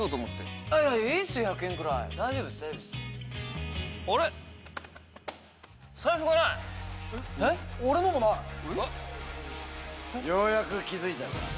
ようやく気付いたか。